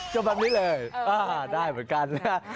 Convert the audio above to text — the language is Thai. จบแบบนี้เลยได้เหมือนกันนะ